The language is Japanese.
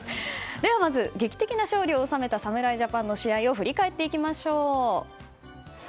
ではまず、劇的な勝利を収めた侍ジャパンの試合を振り返っていきましょう。